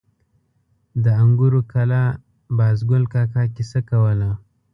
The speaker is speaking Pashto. د انګورو کلا بازګل کاکا کیسه کوله.